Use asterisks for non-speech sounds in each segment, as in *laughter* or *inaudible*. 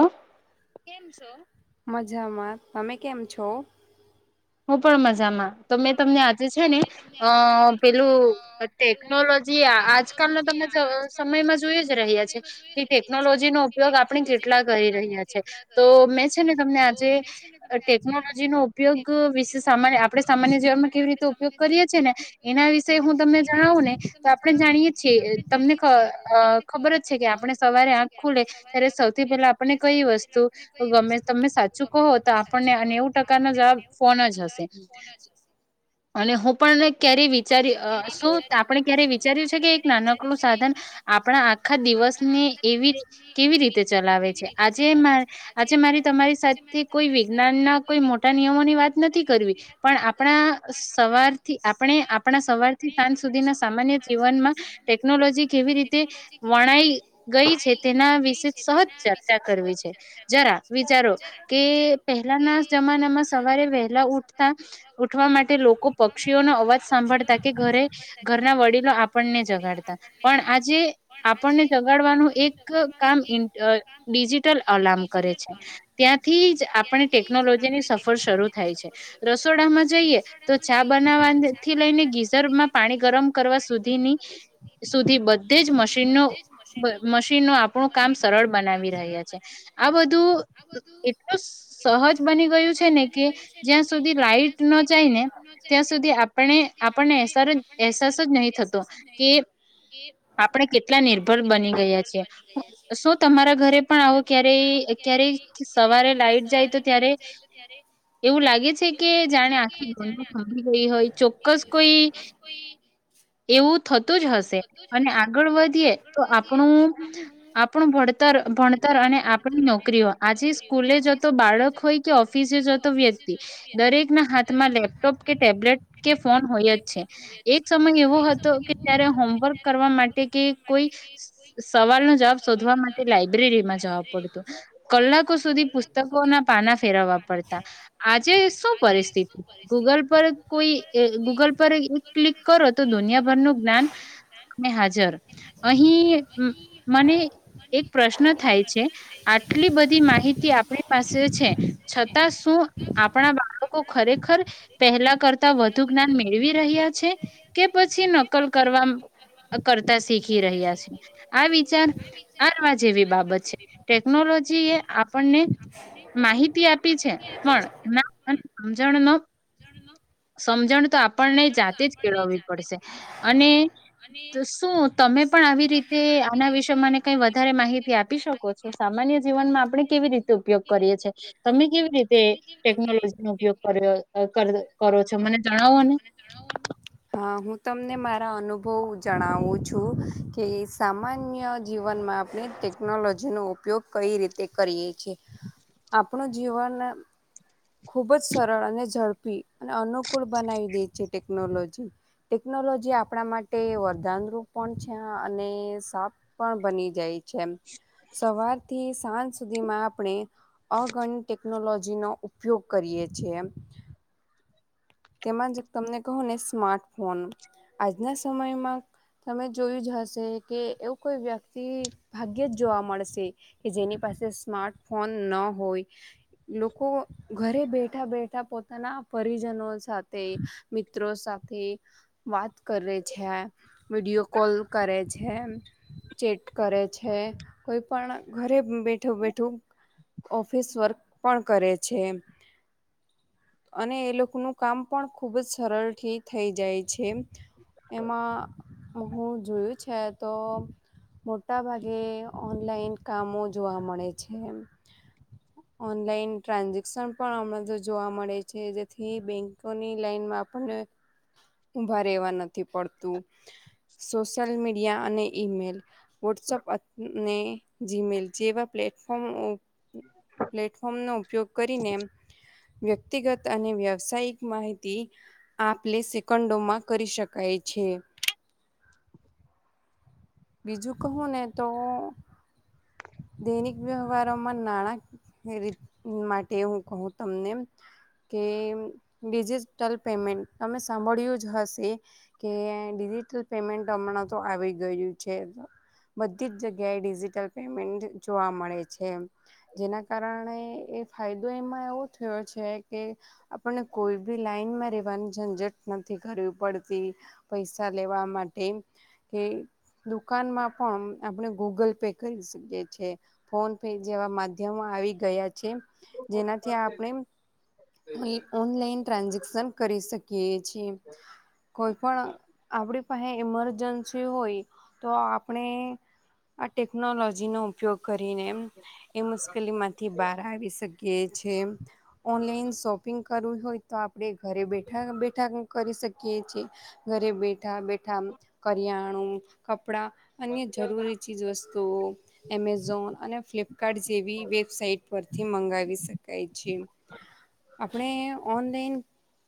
હ કેમ છો મજામાં તમે કેમ છો હું પણ મસ્ત મજામાં તો મેં તમને આજે છે ને અ પેલું ટેકનોલોજી આજકાલનો તમે સમયમાં જોઈ જ રહ્યા છે કે ટેકનોલોજી નો ઉપયોગ આપણે કેટલા કરી રહ્યા છે તો મેં છે ને તમને આજે ટેકનોલોજી નો ઉપયોગ તો વિશે સમય આપો આપણે સામાન્ય જીવનમાં કેવી રીતે ઉપયોગ કરીએ છીએ ને એના વિશે હું તમને જણાવું ને તો આપણે જાણીએ છીએ તમને ખબર જ છે કે આપણે સવારે આંખ ખુલે ત્યારે સૌથી પહેલા આપને કઈ વસ્તુ ગમે તમે સાચું કહો તો આપણને નેવું ટકાના જવાબ કયા જશે અને હું પણ ક્યારે વિચારી શું આપણે ક્યારે વિચાર્યું છે કે એક નાનકડું સાધન આપણા આખા દિવસને એવી કેવી રીતે ચલાવે છે આજે મા આજે મારી તમારી સાથે કોઈ વિજ્ઞાન ના કોઈ મોટા નિયમોની વાત નથી કરવી પણ આપણા સવારથી આપણે આપણા સવારથી સાંજ સુધીના સામાન્ય જીવનમાં ટેકનોલોજી કેવી રીતે વણાઈ ગઈ છે તેના વિશે સહજ ચર્ચા કરવી છે જરા વિચારો કે ઉઠવા માટે લોકો પક્ષીઓનો અવાજ સાંભળતા કે ઘરે ઘરના વડીલો આપણને જગાડતા પણ આજે આપણને જગાડવાનું એક કામ અ ડિજિટલ અલામ કરે છે ત્યાંથી જ આપણે ટેકનોલોજી ની સફર શરૂ થાય છે રસોડામાં જઈએ તો ચા બનાવવા થી લઈને ગીઝરમાં પાણી ગરમ કરવા સુધીની સુધી બધે જ મશીનો મશીનો આપણું કામ સરળ બનાવી રહ્યા છે આ બધું એટલું સહજ બની ગયું છે ને જ્યા સુધી લાઈટ જાયને ત્યા સુધી આપણે આપણે એસાશ નહી થતો કે આપણે કેટલા નિર્ભર બની ગયા છીએ શું તમારા ઘરે પણ આવો ક્યારેય ક્યારેય સવારે લાાઈટ જાય તો ત્યારે એવું લાગે કે જાણે આખી *unintelligible* થોભી ગઈ હોય ચોક્કસ કોઈ એવું થતું જ હશે અને આગળ વધીએ તો આપણું, આપણું ભણતર ભણતર અને આપણી નોકરી દરેક ના હાથમાં લેપટોપ કે ટેબ્લેટ કે ફોન હોય જ છે. એક સમય એવો હતો કે જયારે હોમવર્ક કરવા માટે કે કોઈ સવાલ નો જવાબ શોધવા માટે લાયબ્રેરીમાં જવા પડતું. કલાકો સુધી પુસ્તકોના પાના ફેરવવા પડતા. આજ જે શું પરિસ્થિતિ ગૂગલ પર કોઈ ઇ ગૂગલ પર એક ક્લિક કરો તો દુનિયાભર નુ જ્ઞાન ને હાજર, અહી મ મને એક પ્રશ્ન થાય છે. આટલી બધી માહિતી આપણી પાસે છે. છતાં શું આપણા બાળકો ખરેખર પહેલા કરતા વધુ જ્ઞાન મેળવી રહ્યા છે? કે પછી નકલ કરવા કરતા શીખી રહ્યા છે. આ વિચાર આરવા જેવી બાબત છે. ટેકનોલોજી એ આપણને માહિતી આપી છે. પણ ના *unintelligible* જવણ ન સમજણ તો આપણને જાતે જ કેળવવી પડશે. અને તોશું તમે પણ આવી રીતે આના વિશે મને કઈ વધારે માહિતી આપી શકો છો? સામાન્ય જીવનમાં આપણે કેવી રીતે ઉપયોગ કરીએ છે? તમે કેવી રીતે ટેકનોલોજીનો ઉપયોગ કર્યો કર અચ્છા મને જા હા હું તમને મારા અનુભવ જણાવું છું. કે સામાન્ય જીવનમાં ની ટેકનોલોજીનો ઉપયોગ કઈ રીતે કરીએ છે આપ આપણું જીવન ખૂબ જ સરળ અને ઝડપી અને અનુ કુળ બનાવી દે છે ટેકનોલોજી. ટેકનોલોજી આપણા માટે વરદાનરૂપ પણ છે. અને સાપ પણ બની જાય છે એમ. સવારથી સાંજ સુધીમાં આપણે અગણિત ટેકનોલોજ જી નો ઉપયો કરીએ છીએ એમ તેમાં જે તમને કહો ને સ્માર્ટફોન. આજના સમયમાં તમે જોયું જ હશે કે, એવું કોઈ વ્યક્તિ ભાગ્ય જ જોવા મળશે કે જેની પાસે સ્માર્ટફોન ન હોય. લોકો ઘરે બેઠા બેઠા પોતાના પરિજનો સાથે મિત્રો સાથે વાત કરે છે. વિડીયો કોલ કરે છે. ચેટ કરે છે. કોઈ પણ ઘરે બેઠો બેઠું ઓફિસ વર્ક પણ કરે છે એમ અને એ લોકો નુ કામ પણ ખુબ જ સરળ થી થઈ જાય છે એમ. એમાં હું જોયું છે તો, મોટાભાગે ઓનલાઈન કામો જોવા મળે છે એમ. ઓનલાઈન ટ્રાન્ઝેક ક્ષણ પણ હમણાં તો જોવા મળે છે. જેથી બેંકોની લાઈનમાં આપને ઉભા રહેવા નથી પડતું. સોશિયલ મીડિયા અને ઈમેલ વોટ્સઅપ અત ને જીમેલ જેવા પ્લેટફોર્મ ઉ પ્લેટફોર્મ નો ઉપયોગ કરીને ને વ્યક્તિગત અને વ્યવસાયિક માહિતી આપલે સેકન્ડોમાં કરી શકાય છે. બીજું કહું ને તો દૈનિક વ્યવહારમાં નાણા રી માટે હું કહું તમને કે ડિજિટલ પેમેન્ટ તમે સાંભળ્યું જ હશે કે ડિજિટલ પેમેન્ટ હમણાં તો આવી ગયું છે. બધી જ જગ્યાએ ડિજિટલ પેમેન્ટ જોવા મળે છે. જેના કારણે એ ફાયદો એમાં એવો થયો છે. કે આપણે કોઈ ભી લાઈન માં રેવાનું ઝંઝટ નથી કરવી પડતી પૈસા લેવા માટે કે દુકાન માં પણ આપણે ગૂગલ પે કરી શકે છે. ફોન પે જેવા માધ્યમો આવી ગયા છે. જેના થી આપડે ઓન ઓનલાઇન ટ્રાઝશન કરી શકી કોઈ પણ આપ પાહે ઈમરજન્સી હોય તો આપણે ટેકનોલોજીનો ઉપયોગ કરીને એ મુશ્કેલીમાંથી બહાર આવી શકીએ છે. ઓનલાઈન શોપિંગ કરવું હોય તો આપણે ઘરે બેઠા બેઠા કરી શકીએ છીએ. ઘરે બેઠા બેઠા કરિયાણું, કપડા અન્ય જરૂરી ચીજ વસ્ તો એમેઝોન અને ફ્લિપકાર્ટ જેવી વેબસાઇટ પરથી મંગાવી શકાય છે. આપણે ઓનલાઈન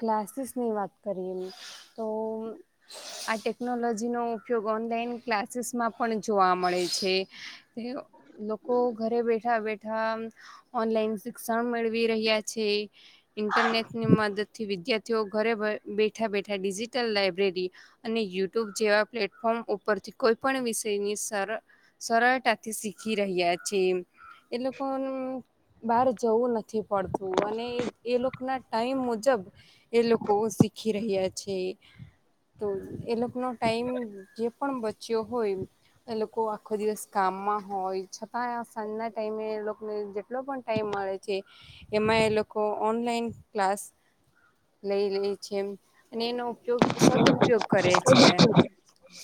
ક્લાસીસની વાત કરીએ તો આ ટેકનોલોજીનો ઉપયોગ ઓનલાઈન ક્લાસીસમાં પણ જોવા મળે છે. છે. તે લોકો ઘરે બેઠ બેઠા બેઠા ઓનલાઈન શિક્ષણ મેળ વી રહ્યા છે ઇન્ટરનેટની મદદથી થી વિદ્યાર્થીઓ ઘરે બેઠા બેઠા ડિજિટલ લાાયબ્રેરી અને યુટ્યુબ જેવા પ્લેટફોર્મ ઉપરથી કોઈપણ વિષયની સર સરળતાથી શીખી રહ્યા છે. એ લોકોનું બહાર જવું નથી પડતું અને એ લોકોના ટાઈમ મુજબ એ લોકો શીખ લખી રહ્યા છે. તો એ લોકોનો ટાઈમ જે પણ બચ્યો હોય એ લોકો આ આખો દિવસ કામમાં હોય છતાં સાંજના ટાઈમે એ લોકોને જેટલો પણ ટાઈમ મળે છે. એમાં એ લોકો ઓનલાઈન ક્લાસ લઈ લે છે અને એનો પગ સદઉપયોગ કરે છે.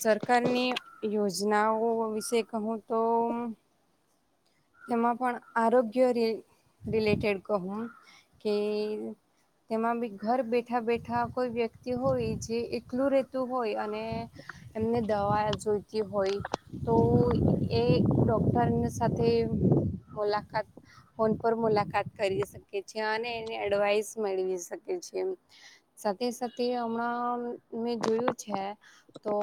સર કરની યોજનાઓ વિશ શે કહું તો એમાં પણ આરોગ્ય રે રિલેટેડ કહું કે તેમાં બી ઘર બેઠા બેઠા કોઈ વ્યક્તિ હોય જે એકલું રહેતું હોય અને એમને દવા જોઈતી હોય તો એ ડોક્ટરના સાથે મુલાકાત ફોન પર મુલાકાત કરીએ શકીએ છે અને એને એડવાઈસ મેળવી શકે છે. એમ સાથે સાથે હમણાં મેં જોયું છે તો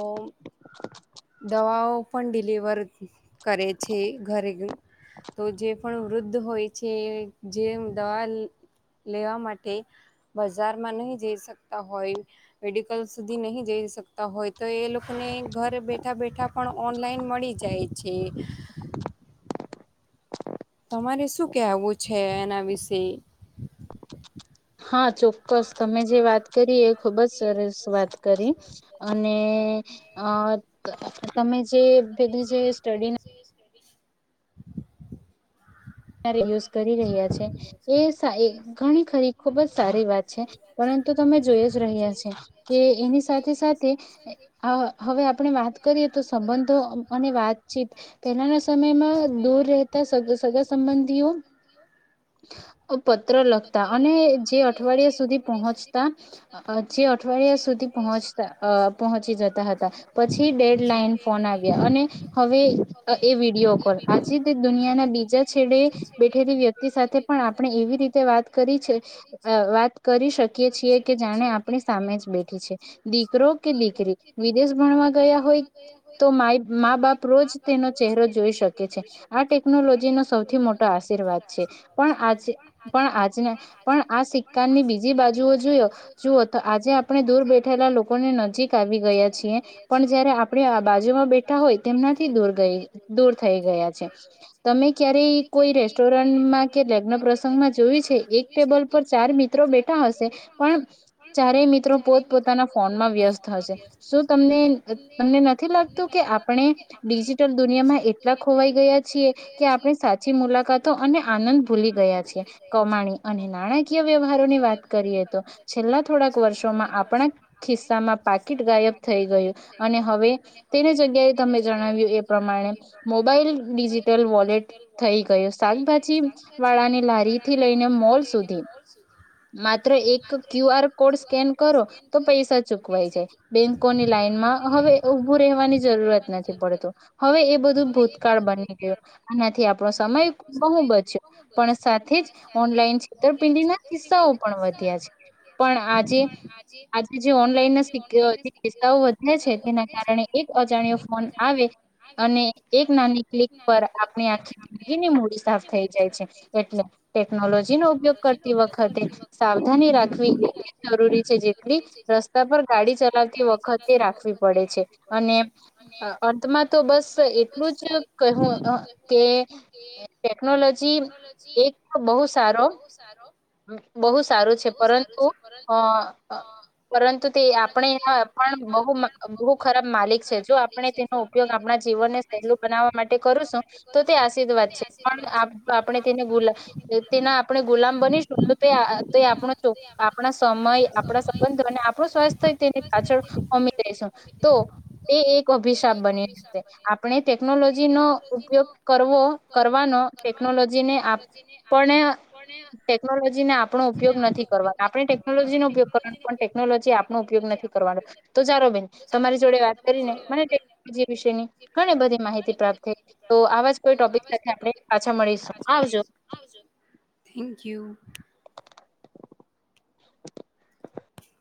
દવાઓ પણ ડિલિવર કરે છે ઘરે તો જે પણ વૃદ્ધ હોય છે જે દવા લેવા માટે બજારમાં નહી જઈ સકતા હોય મેડિકલ સુધી નહી જઈ સકતા હોય તો એ લોકોને ઘરે બે ઠા બેઠા પણ ઓનલાઈન મળી જાય છે. તમારે શું કેહેવું છે એના વિશે? હા ચોક્કસ તમે જે વાત કરી એ ખૂબ જ સરસ વાત કરી અને અ તમે જે પેલી જે સ્ટડીને *unintelligible* કયારે યુઝ કરી રહ્યા છે એ એ ઘણી ખરી ખુબ જ સારી વાત છે પરંતુ તમે જોઈ જ રહ્યા છે કે એની સાથે સાથે હ હવે આપણે વાત કરીએ તો સંબંધો અને વાતચીત પહેલાના સમયમાં દૂર રહેતા સગ સગા સંબંધીઓ અપ પત્ર લખતા અને જે અઠવાડિયા સુધી પહોંચતા અ જે અઠવાડિયા સુધી પહોંચતા અ પહોંચી જતા હતા પછી ડેડ લાઇન ફોન આવ્યા અને હવે એ વિડીયો કોલ આજે તે દુનિયાના બીજા છેડે બેઠેલી વ્યક્તિ સાથે પણ આપણે એવી રીતે વાત કરી છે અ વાત કરી શકીએ છીએ કે જાણે આપણી સામે જ બેઠી છે દીકરો કે દીકરી વિદેશ ભણવા ગયા હોય તો માય મા બાપ રોજ તેનો ચહેરો જોઈ શકે છે આ ટેકનોલોજીનો મોટો આશીર્વાદ છે પણ આ પણ આજને પણ આ સિક્કાની બીજી બાજુઓ જુઓ જુઓ તો આજે આપણે દૂર બેઠેલા લોકોને નજીક આવી ગયા છીએ પણ જયારે આપણે આ બાજુમાં બેઠા હોય તેમનાથી દૂર ગઈ દૂર થઈ ગયા છે તમે કઈ કોઈ રેસ્ટોરમાં કે લગ્નન પ્ર પ્રસંગમાં જોઈએ છે એક ટેબલ પર ચાર મિત્રો બેઠા હશે પણ ચારેય મિત્રો પોતપોતાના ફોનમાં વ્યસ્ત હશે શું તમને તમને નથી લાગતું કે આપણે ડિજિટલ દુનિયામાં એટલા ખોવાઈ ગયા છીએ કે આપણે સાચી મુલાકાતો અને આનંદ ભૂલી ગયા છે કમાણી અને નાણાકીય વ્યવહારોની વાત કરીએ તો છેલ્લા થોડાક વર્ષોમાં આપણા ખિસ્સામાં પાકીટ ગાયબ થઈ ગયું અને હવે તેની જગ્યાએ તમે જણાવ્યું એ પ્રમાણે મોબાઈલ ડિજિટલ વો લેટ થઈ ગયુ શાકભાજી વાળા લારી થી લઈને મોલ સુધી માત્ર એક ક્યુ આર કોડ સ્કેન કરો તો પૈસા ચૂકવાઈ જાય બેંકોની લાઈનમાં હવે ઉભું રહેવાની જરૂરત નથી પડતું હવે એ બધું ભૂતકાળ બની ગયું. આનાથી આપણો સમય બહુ બચ્યો પણ સાથે જ ઓનલાઈન છેતરપિંડીના કિસ્સાઓ પણ વધ્યા છે પણ આજે આજે જે ઓનલાઈન ના સીક‌ અ કિસ્સાઓ વધ્યા છે તેના કારણે એક અજાણ્યો ફોન આવે અને એક નાની ક્લિક પર આપની આખી જિંદગીની મૂડી સાફ થઈ જાય છે એટલે ટેકનોલોજીનો ઉપયોગ કરતી વખતે સાવધાની રાખવી એટલી જરૂરી છે જેટલી રસ્તા પર ગાડી ચલાવતી વખતે રાખવી પડે છે અને અતંમાં તો બસ એટલું જ કહું અ કે ટેકનોલોજી એક તો બહુ સારો બહુ સારું છે પરંતુ અ પરંતુ તે આપણે પણ બહુ બહુ ખરાબ માલિક છે જો આપણે તેનો ઉપયોગ આપણા જીવનને સહેલું બનાવવા માટે કરુંશું. તો તે આશીર્વાદ છે પણ આપણે તેને ગુલા તેના આપણે ગુલામ બનીશું આપણો સમય આપણા સંબંધો અને આપણું સ્વાસ્થ્ય તેની પાછળ સમમી દઈશું તો તે એક અભિશાપ બનીશે આપણે ટેકનોલોજીનો ઉપયોગ કરવો કરવાનો ટેકનોલોજીને પણ ટેકનોલોજીને આપણો ઉપયોગ નથી કરવાનો આપણે ટેકનોલોજીનોો ઉપયોગ કરવાનો પણ ટેકનોલોજી આપણો ઉપયોગ નથી કરવાનો તો ચાલો બેન તમારી જોડે વાત કરીને મને ટેકનોલોજી વિશેની ઘણી બધી માહિતી પ્રાપ્ત થઈ તો આવા જ કોઈ ટોપિક સાથે આપણે પાછા મળીશું. પાછા મળીશું આવજો. થેંક્યું.